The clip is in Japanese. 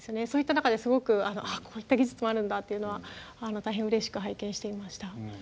そういった中ですごくこういった技術もあるんだっていうのは大変うれしく拝見していました。